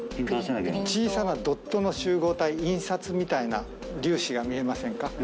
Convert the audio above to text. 小さなドットの集合体、印刷みたいな粒子が見えませんか。